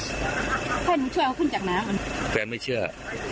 ให้หนูช่วยเอาขึ้นจากน้ำมันแฟนไม่เชื่อ